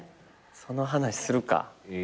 その話するか。